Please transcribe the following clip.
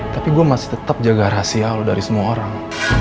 tapi gue masih tetap jaga rahasia lo dari semua orang